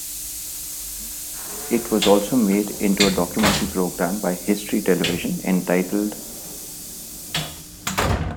It was also made into a documentary program by History Television, entitled "".